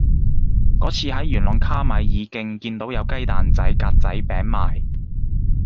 嗰次喺元朗卡米爾徑見到有雞蛋仔格仔餅賣